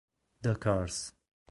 The Curse